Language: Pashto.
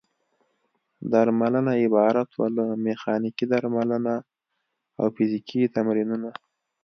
درملنه عبارت وه له: میخانیکي درملنه او فزیکي تمرینونه.